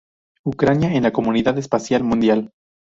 Ucrania en la comunidad espacial mundial.